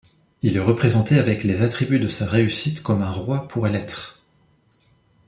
Il est représenté avec les attributs de sa réussite comme un roi pourrait l'être.